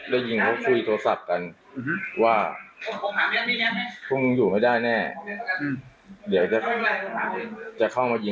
ได้ยินเขาคุยโทรศัพท์กันว่าคงอยู่ไม่ได้แน่เดี๋ยวจะเข้ามายิง